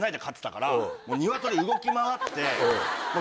からニワトリ動き回って。